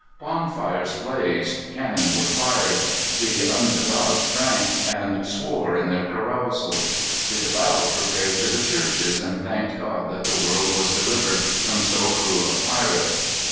Bonfires blazed. Cannon were fired. The undevout drank, and swore in their carousal. The devout repaired to the churches, and thanked God that the world was delivered from so cruel a pirate.